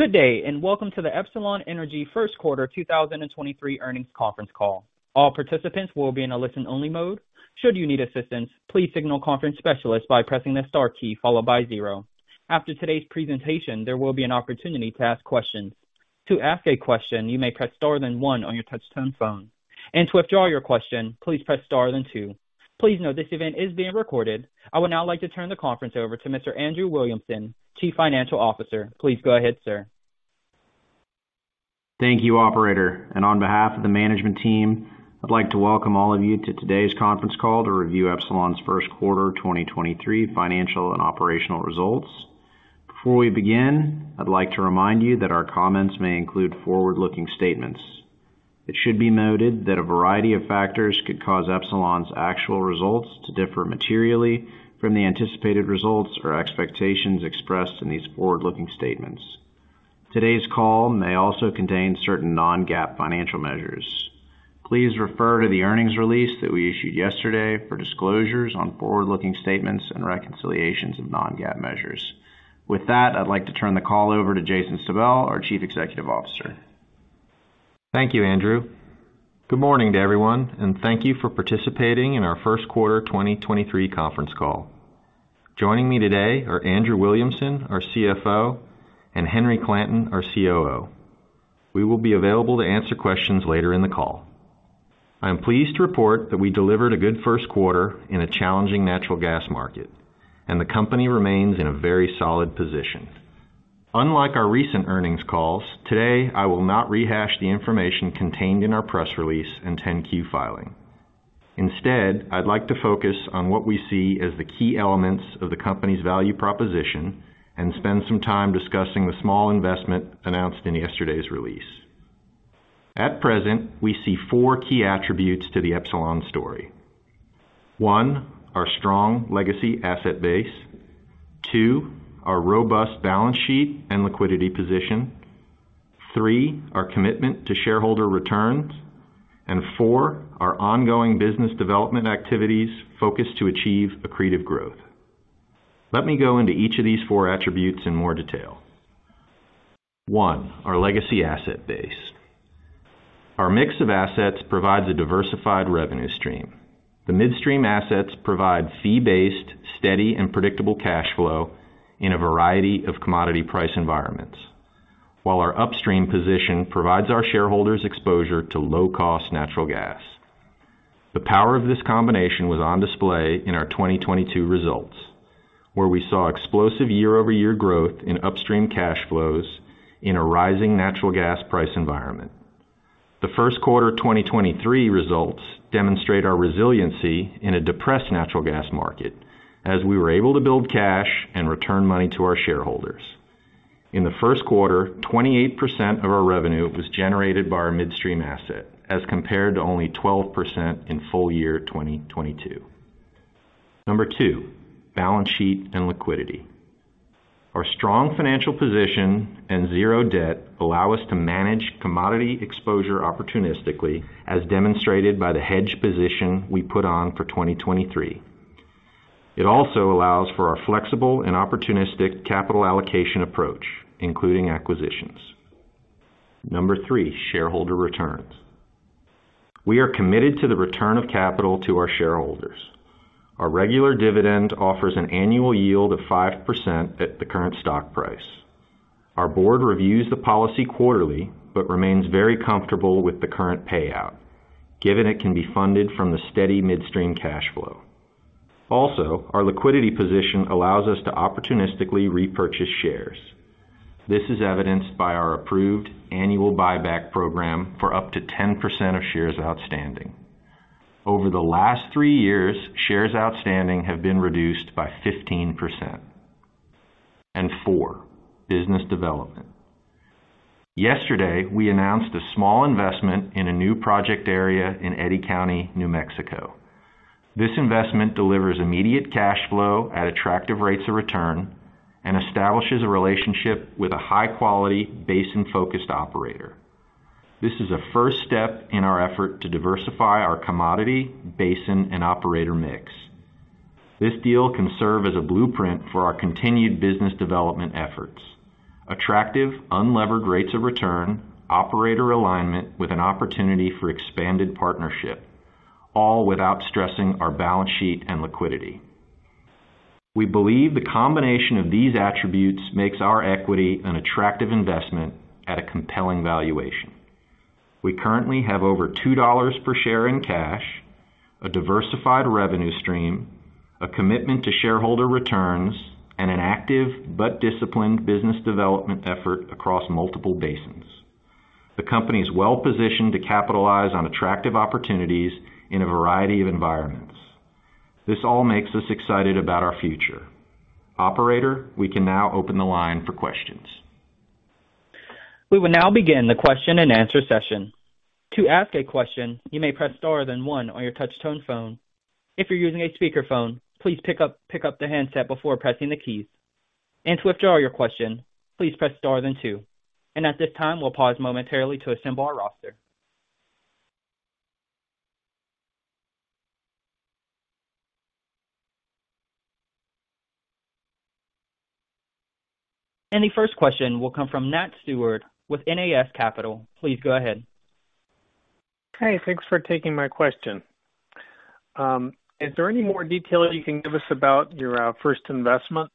Good day, and welcome to the Epsilon Energy Q1 2023 earnings conference call. All participants will be in a listen-only mode. Should you need assistance, please signal conference specialist by pressing the star key followed by zero. After today's presentation, there will be an opportunity to ask questions. To ask a question, you may press star then one on your touch tone phone. To withdraw your question, please press star then two. Please note this event is being recorded. I would now like to turn the conference over to Mr. Andrew Williamson, Chief Financial Officer. Please go ahead, sir. Thank you, operator. On behalf of the management team, I'd like to welcome all of you to today's conference call to review Epsilon's Q1 2023 financial and operational results. Before we begin, I'd like to remind you that our comments may include forward-looking statements. It should be noted that a variety of factors could cause Epsilon's actual results to differ materially from the anticipated results or expectations expressed in these forward-looking statements. Today's call may also contain certain non-GAAP financial measures. Please refer to the earnings release that we issued yesterday for disclosures on forward-looking statements and reconciliations of non-GAAP measures. With that, I'd like to turn the call over to Jason Stabell, our Chief Executive Officer. Thank you, Andrew. Good morning to everyone, and thank you for participating in our Q1 2023 conference call. Joining me today are Andrew Williamson, our CFO, and Henry Clanton, our COO. We will be available to answer questions later in the call. I am pleased to report that we delivered a good Q1 in a challenging natural gas market, and the company remains in a very solid position. Unlike our recent earnings calls, today, I will not rehash the information contained in our press release in 10-Q filing. Instead, I'd like to focus on what we see as the key elements of the company's value proposition and spend some time discussing the small investment announced in yesterday's release. At present, we see four key attributes to the Epsilon story. One, our strong legacy asset base. Two, our robust balance sheet and liquidity position. Three, our commitment to shareholder returns. Four, our ongoing business development activities focused to achieve accretive growth. Let me go into each of these four attributes in more detail. One, our legacy asset base. Our mix of assets provides a diversified revenue stream. The midstream assets provide fee-based, steady, and predictable cash flow in a variety of commodity price environments. While our upstream position provides our shareholders exposure to low-cost natural gas. The power of this combination was on display in our 2022 results, where we saw explosive year-over-year growth in upstream cash flows in a rising natural gas price environment. The Q1 2023 results demonstrate our resiliency in a depressed natural gas market as we were able to build cash and return money to our shareholders. In the Q1, 28% of our revenue was generated by our midstream asset, as compared to only 12% in full year 2022. Number two, balance sheet and liquidity. Our strong financial position and zero debt allow us to manage commodity exposure opportunistically, as demonstrated by the hedge position we put on for 2023. It also allows for our flexible and opportunistic capital allocation approach, including acquisitions. Number three, shareholder returns. We are committed to the return of capital to our shareholders. Our regular dividend offers an annual yield of 5% at the current stock price. Our board reviews the policy quarterly, but remains very comfortable with the current payout, given it can be funded from the steady midstream cash flow. Also, our liquidity position allows us to opportunistically repurchase shares. This is evidenced by our approved annual buyback program for up to 10% of shares outstanding. Over the last three years, shares outstanding have been reduced by 15%. Four, business development. Yesterday, we announced a small investment in a new project area in Eddy County, New Mexico. This investment delivers immediate cash flow at attractive rates of return and establishes a relationship with a high quality basin-focused operator. This is a first step in our effort to diversify our commodity, basin, and operator mix. This deal can serve as a blueprint for our continued business development efforts. Attractive, unlevered rates of return, operator alignment with an opportunity for expanded partnership, all without stressing our balance sheet and liquidity. We believe the combination of these attributes makes our equity an attractive investment at a compelling valuation. We currently have over $2 per share in cash, a diversified revenue stream, a commitment to shareholder returns, and an active but disciplined business development effort across multiple basins. The company is well positioned to capitalize on attractive opportunities in a variety of environments. This all makes us excited about our future. Operator, we can now open the line for questions. We will now begin the question and answer session. To ask a question, you may press star then one on your touch tone phone. If you're using a speakerphone, please pick up the handset before pressing the keys. To withdraw your question, please press star then two. At this time, we'll pause momentarily to assemble our roster. The first question will come from Nat Stewart with N.A.S. Capital. Please go ahead. Hey, thanks for taking my question. Is there any more detail you can give us about your first investment?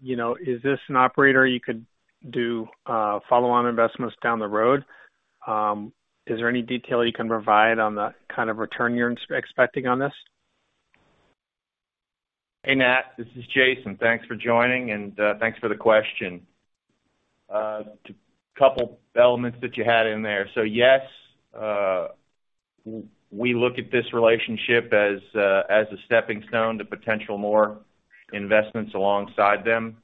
you know, is this an operator you could do follow-on investments down the road? Is there any detail you can provide on the kind of return you're expecting on this? Hey, Nat, this is Jason. Thanks for joining, and thanks for the question. A couple elements that you had in there. Yes, we look at this relationship as a stepping stone to potential more investments alongside them.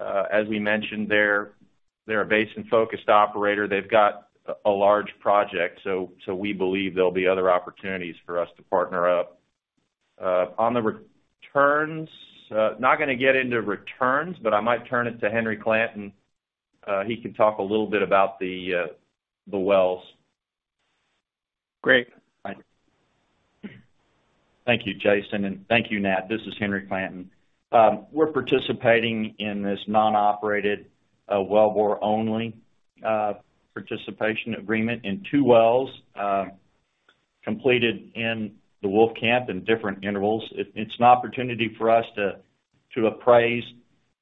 As we mentioned, they're a basin-focused operator. They've got a large project, so we believe there'll be other opportunities for us to partner up. On the returns, not gonna get into returns, but I might turn it to Henry Clanton. He can talk a little bit about the wells. Great. Thank you. Thank you, Jason, and thank you, Nat. This is Henry Clanton. We're participating in this non-operated wellbore-only participation agreement in two wells completed in the Wolfcamp in different intervals. It's an opportunity for us to appraise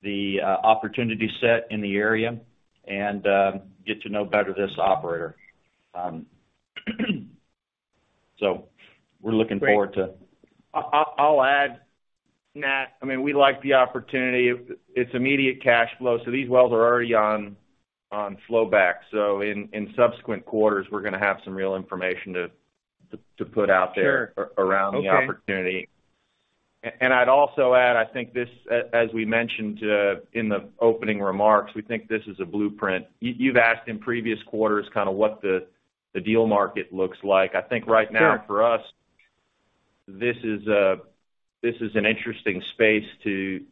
the opportunity set in the area and get to know better this operator. We're looking forward. I'll add, Nat. I mean, we like the opportunity. It's immediate cash flow, so these wells are already on flowback. In subsequent quarters, we're gonna have some real information to put out there. Sure. Around the opportunity. Okay. I'd also add, I think this, as we mentioned, in the opening remarks, we think this is a blueprint. You've asked in previous quarters kinda what the deal market looks like. I think right now. Sure. For us, this is an interesting space to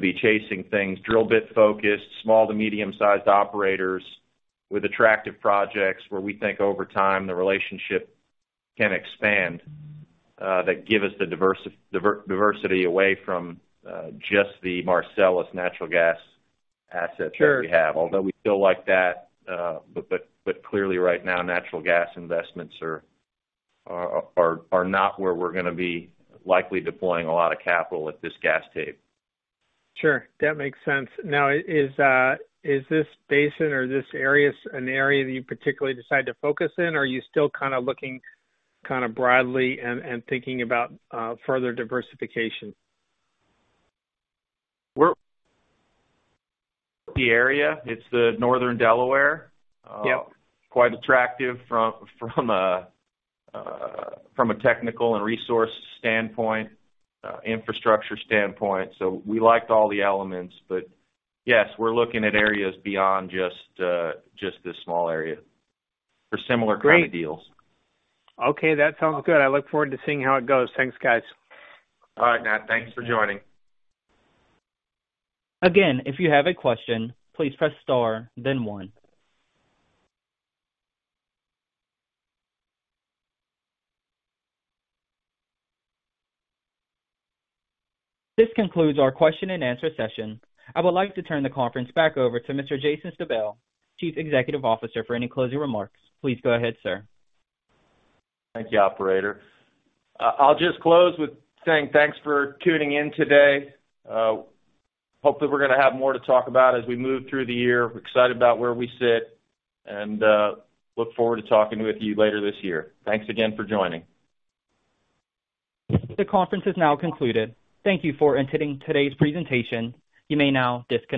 be chasing things. Drill bit focused, small to medium-sized operators with attractive projects where we think over time, the relationship can expand, that give us the diversity away from just the Marcellus Natural Gas assets that we have. Sure. We still like that. But clearly right now, natural gas investments are not where we're gonna be likely deploying a lot of capital at this gas tape. Sure. That makes sense. Now is this basin or this area an area that you particularly decide to focus in or are you still kinda looking kinda broadly and thinking about further diversification? The area, it's the northern Delaware. Yep. Quite attractive from a technical and resource standpoint, infrastructure standpoint, we liked all the elements. Yes, we're looking at areas beyond just this small area for similar kind of deals. Great. Okay, that sounds good. I look forward to seeing how it goes. Thanks, guys. All right, Nat. Thanks for joining. If you have a question, please press star then one. This concludes our question and answer session. I would like to turn the conference back over to Mr. Jason Stabell, Chief Executive Officer, for any closing remarks. Please go ahead, sir. Thank you, operator. I'll just close with saying thanks for tuning in today. Hopefully, we're gonna have more to talk about as we move through the year. We're excited about where we sit, and, look forward to talking with you later this year. Thanks again for joining. The conference is now concluded. Thank you for attending today's presentation. You may now disconnect.